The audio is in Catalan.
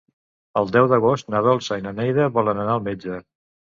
El deu d'agost na Dolça i na Neida volen anar al metge.